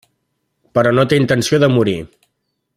Però no té intenció de morir.